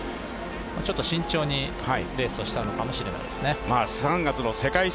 慎重にレースをしたのかもしれないですね。